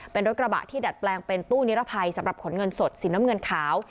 เป็นรถกระบะที่ดัดแปลงเป็นตู้นิรภัยสำหรับขนเงินสดสีน้ำเงินขาว